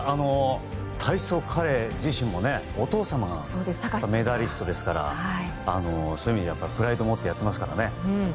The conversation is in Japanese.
体操、彼自身もお父様がメダリストですからそういう意味では、やっぱりプライドを持ってやってますからね。